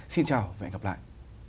xin chào và hẹn gặp lại